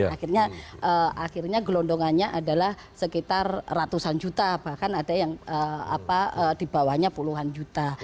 dan akhirnya gelondongannya adalah sekitar ratusan juta bahkan ada yang dibawahnya puluhan juta